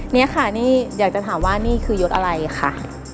นี่ค่ะนี่อยากจะถามว่านี่คือยศอะไรค่ะ